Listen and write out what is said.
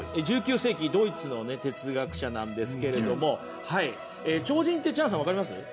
１９世紀ドイツの哲学者なんですけれども超人ってチャンさん分かります？